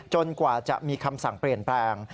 กว่าจะมีคำสั่งเปลี่ยนแปลง